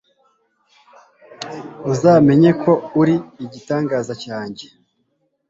uzamenya ko uri igitangaza cyanjye